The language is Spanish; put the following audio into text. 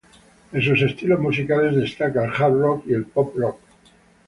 En sus estilos musicales destaca el Hard rock y el Pop rock.